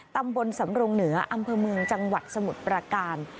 ตำบลสำรงเหนืออำเภอเมืองจังหวัดสมุทรประการ